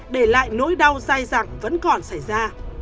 để lại nỗi đau dài dạng vẫn còn xảy ra